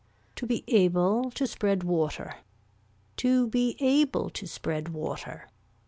To be able to spread water. To be able to spread water.